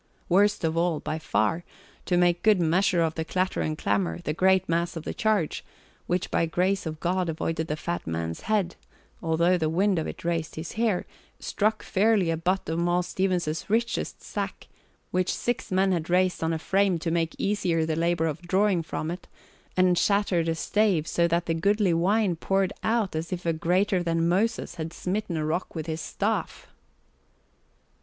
Worst of all, by far, to make good measure of the clatter and clamour, the great mass of the charge, which by grace of God avoided the fat man's head although the wind of it raised his hair, struck fairly a butt of Moll Stevens's richest sack, which six men had raised on a frame to make easier the labour of drawing from it, and shattered a stave so that the goodly wine poured out as if a greater than Moses had smitten a rock with his staff.